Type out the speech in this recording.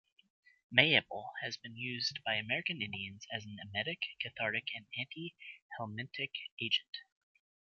Mayapple has been used by American Indians as an emetic, cathartic, and antihelmintic agent.